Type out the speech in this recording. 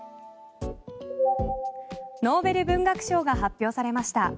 ノーベル文学賞が発表されました。